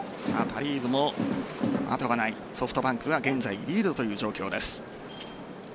パ・リーグも後がないソフトバンクが現在リードという状況です。